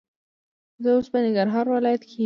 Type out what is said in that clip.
زه اوس په ننګرهار ولایت کې یم.